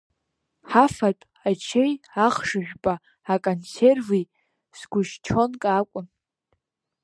Ҳафатә, ачеи ахш жәпа аконсерви сгушьчонка акәын.